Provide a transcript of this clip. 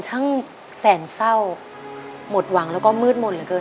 ช่างแม่ศัตรู